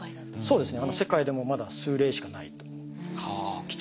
そうですね。